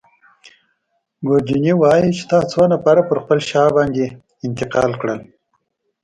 ګوردیني وايي چي تا څو نفره پر خپله شا باندې انتقال کړل.